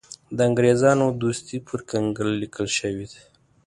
د انګرېزانو دوستي پر کنګل لیکل شوې ده.